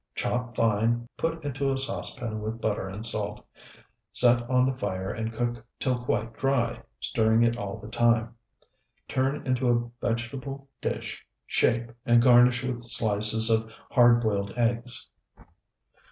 Chop fine, put into a saucepan with butter and salt. Set on the fire and cook till quite dry, stirring it all the time. Turn into a vegetable dish, shape, and garnish with slices of hard boiled eggs.